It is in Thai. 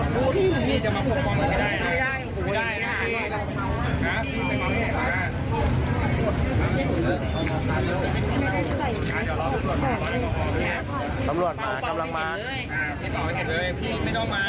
พี่ต่อไม่ให้ผมถ่ายผมนะเอาบอกเขาเมา